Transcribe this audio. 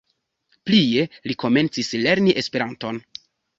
Plie li komencis lerni Esperanton.